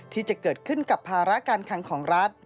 ที่จะเกิดขึ้นกับภาระการคังของรัฐ